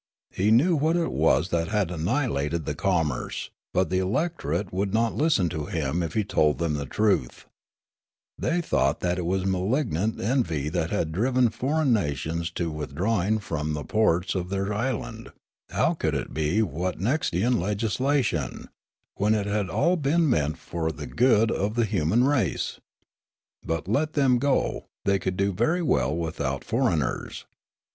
He knew what it was that had annihilated the commerce ; but the electorate would not listen to him if he told them the truth ; they thought that it was malignant envy that had driven foreign nations into withdrawing from the ports of the island; how could it be Wotnekstian legislation, when it had all been meant for the good of the human race ? But let them go ; they could do very well without for eigners.